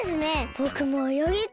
ぼくもおよぎたい！